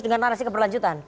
dengan narasi keberlanjutan